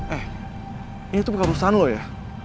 eh ini tuh bukan urusan lo ya